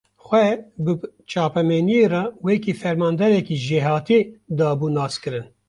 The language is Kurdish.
Xwe, bi çapemeniyê re wekî fermandarekî jêhatî, dabû naskirin